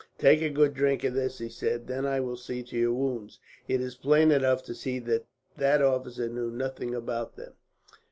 "Take a good drink of this," he said, "then I will see to your wounds. It is plain enough to see that that officer knew nothing about them."